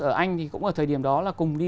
ở anh thì cũng ở thời điểm đó là cùng đi